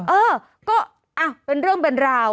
เออก็เป็นเรื่องเป็นราว